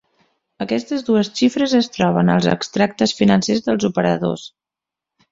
Aquestes dues xifres es troben als extractes financers dels operadors.